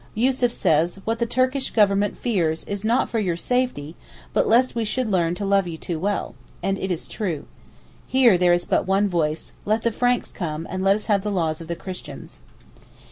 Yussuf says 'What the Turkish Government fears is not for your safety, but lest we should learn to love you too well,' and it is true. Here there is but one voice. 'Let the Franks come, let us have the laws of the Christians.